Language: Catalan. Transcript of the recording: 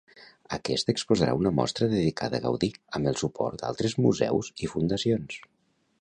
Aquest exposarà una mostra dedicada a Gaudí amb el suport d'altres museus i fundacions.